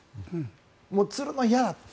もうつるの嫌だと。